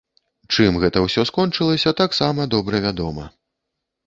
Чым гэта ўсё скончылася, таксама добра вядома.